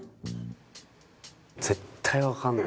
絶対わかんない。